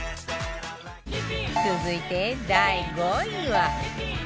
続いて第５位は